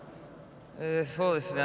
そうですね。